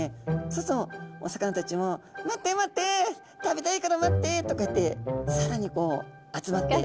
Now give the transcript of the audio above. そうするとお魚たちも「待って待って食べたいから待って」ってこうやってさらに集まって。